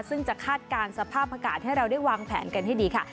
ซึ่งจะคาดการณ์สภาพอากาศให้เราได้วางแผนกันให้ดีค่ะ